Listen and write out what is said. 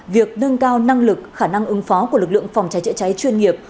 việc nâng cao năng lực khả năng ứng phó của lực lượng phòng cháy chữa cháy chuyên nghiệp